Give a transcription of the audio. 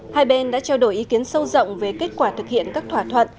hai bên đã trao đổi ý kiến sâu rộng về kết quả thực hiện các thỏa thuận